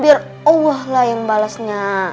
biar allah lah yang balasnya